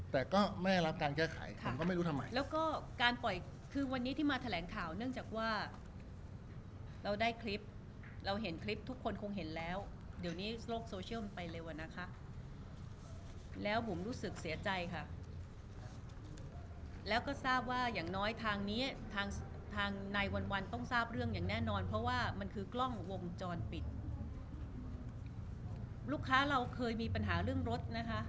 แต่ก็ไม่ได้รับการแก้ไขผมก็ไม่รู้ทำไมแล้วก็การปล่อยคือวันนี้ที่มาแถลงข่าวเนื่องจากว่าเราได้คลิปเราเห็นคลิปทุกคนคงเห็นแล้วเดี๋ยวนี้โลกโซเชียลมันไปเร็วอ่ะนะคะแล้วบุ๋มรู้สึกเสียใจค่ะแล้วก็ทราบว่าอย่างน้อยทางนี้ทางทางนายวันวันต้องทราบเรื่องอย่างแน่นอนเพราะว่ามันคือกล้องวงจรปิดลูกค้าเราเคยมีปัญหาเรื่องรถนะคะ